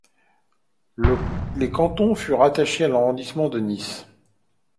Les cantons furent rattachés à l'arrondissement de Nice.